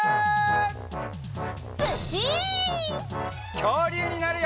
きょうりゅうになるよ！